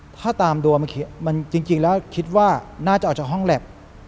ถ้าตามดวงมันจริงแล้วคิดว่าน่าจะออกจากห้องแล็บ